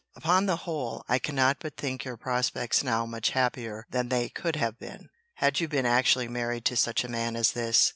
Upon the whole, I cannot but think your prospects now much happier than they could have been, had you been actually married to such a man as this.